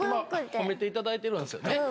褒めていただいてるんですよ